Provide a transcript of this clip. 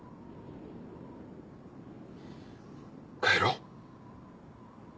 帰ろう。